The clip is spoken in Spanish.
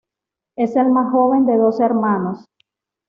Es el más joven de dos hermanos.